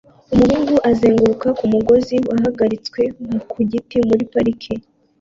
Umuhungu azunguruka ku mugozi wahagaritswe ku giti muri parike